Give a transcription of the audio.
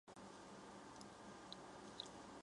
但屋顶立有高大的十字架。